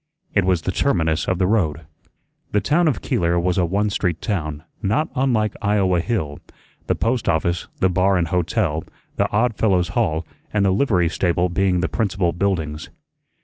It was the terminus of the road. The town of Keeler was a one street town, not unlike Iowa Hill the post office, the bar and hotel, the Odd Fellows' Hall, and the livery stable being the principal buildings.